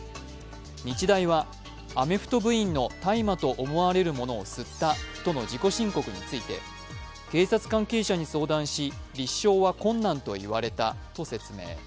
日大は、アメフト部員の大麻と思われるものを吸ったとの自己申告について警察関係者に相談し、立証は困難と言われたと説明。